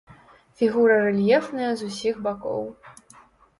Фігура рэльефная з усіх бакоў.